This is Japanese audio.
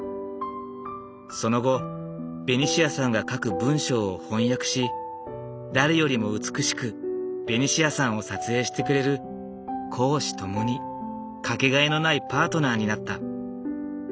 その後ベニシアさんが書く文章を翻訳し誰よりも美しくベニシアさんを撮影してくれる公私共に掛けがえのないパートナーになった。